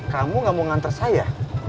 kamu ga mau nganter saya